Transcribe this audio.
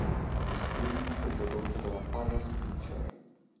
Il film fu prodotto dalla Pallas Pictures.